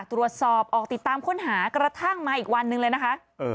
ออกติดตามค้นหากระทั่งมาอีกวันหนึ่งเลยนะคะ